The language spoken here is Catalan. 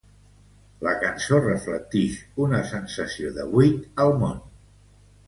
La cançó reflectix una sensació de buit al món.